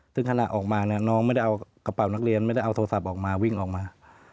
ซึ่งขณะออกมาเนี่ยน้องไม่ได้เอากระเป๋านักเรียนไม่ได้เอาโทรศัพท์ออกมาวิ่งออกมา